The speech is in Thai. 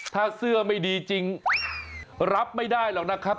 ถ้าเสื้อไม่ดีจริงรับไม่ได้หรอกนะครับ